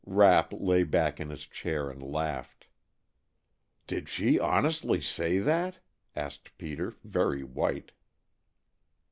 Rapp lay back in his chair and laughed. "Did she honestly say that?" asked Peter, very white.